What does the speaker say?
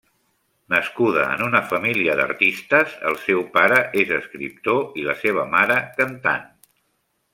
Nascuda en una família d'artistes, el seu pare és escriptor i la seva mare cantant.